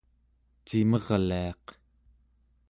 cimerliaq